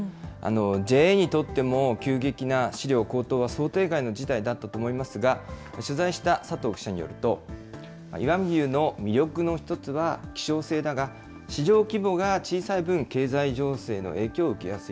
ＪＡにとっても、急激な飼料高騰は想定外の事態だったと思いますが、取材した佐藤記者によると、石見牛の魅力の一つは希少性だが、市場規模が小さい分、経済情勢の影響を受けやすい。